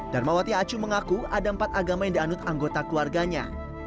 darmawati acu mengaku ada empat agama yang dianut anggota keluarganya